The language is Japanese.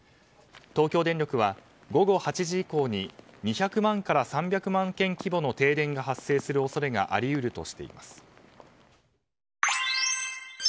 東京電力は午後８時以降に２００万から３００万軒規模の停電が発生する恐れがあり得るとしています。